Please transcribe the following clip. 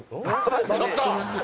ちょっと！